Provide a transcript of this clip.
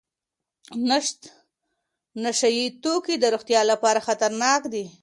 نشه یې توکي د روغتیا لپاره خطرناک دي.